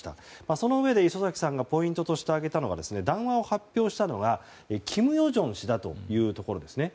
そのうえで礒崎さんがポイントとして挙げたのは談話を発表したのが金与正氏だというところですね。